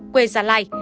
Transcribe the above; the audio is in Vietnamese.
quê gia lai